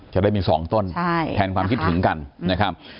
จะได้มี๒ต้นแทนความคิดถึงกันนะครับ